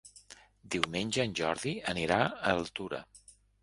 Diumenge en Jordi anirà a Altura.